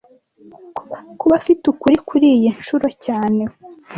kuba afite ukuri kuriyi nshuro cyane